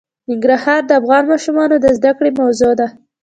ننګرهار د افغان ماشومانو د زده کړې موضوع ده.